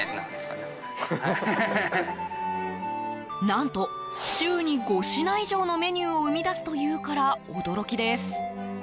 何と週に５品以上のメニューを生み出すというから驚きです。